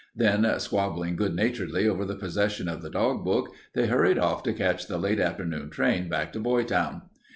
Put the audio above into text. Then, squabbling good naturedly over the possession of the dog book, they hurried off to catch the late afternoon train back to Boytown.